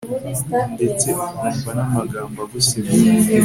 ndetse ukumva n'amagambo agusebya